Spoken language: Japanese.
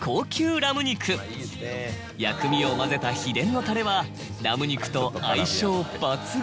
薬味を混ぜた秘伝のタレはラム肉と相性抜群。